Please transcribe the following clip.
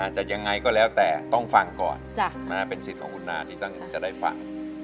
จะยังไงก็แล้วแต่ต้องฟังก่อนเป็นสิทธิ์ของคุณนาที่ตั้งจะได้ฟัง